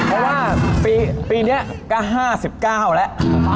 เพราะว่าปีนี้ก็๕๙แล้ว